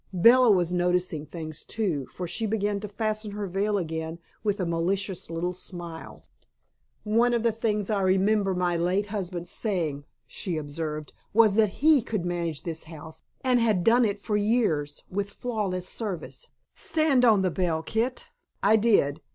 Bella was noticing things, too, for she began to fasten her veil again with a malicious little smile. "One of the things I remember my late husband saying," she observed, "was that HE could manage this house, and had done it for years, with flawless service. Stand on the bell, Kit." I did.